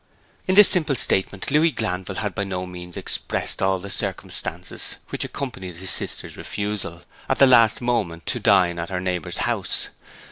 In his simple statement Louis Glanville had by no means expressed all the circumstances which accompanied his sister's refusal, at the last moment, to dine at her neighbour's house.